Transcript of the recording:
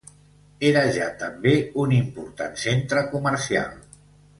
Era ja, també, un important centre comercial.